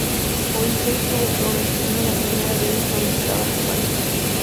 Odyssey tuvo clones, siendo la primera de ellas fabricada en España.